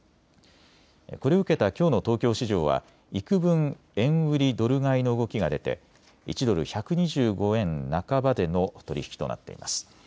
これを受けたきょうの東京市場はいくぶん円売りドル買いの動きが出て１ドル１２５円半ばでの取り引きとなっています。